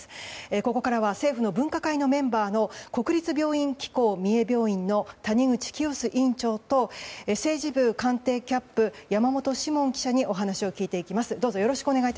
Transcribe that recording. ここからは政府の分科会のメンバーの国立病院機構三重病院の谷口清州院長と政治部官邸キャップ山本志門記者にお話を聞いていきます。